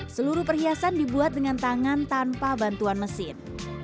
seluruh perhiasan dibuat dengan tangan tanpa bantuan mesin